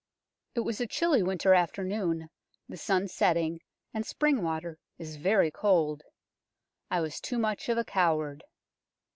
It was a chilly winter afternoon, the sun setting, and spring water is very cold. I was too much of a coward.